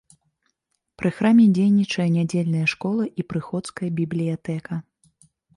Пры храме дзейнічае нядзельная школа і прыходская бібліятэка.